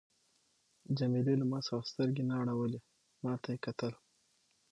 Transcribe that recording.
جميله له ما څخه سترګې نه اړولې، ما ته یې کتل.